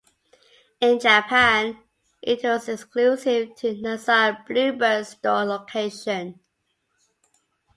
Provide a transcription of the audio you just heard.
In Japan, it was exclusive to Nissan Bluebird Store locations.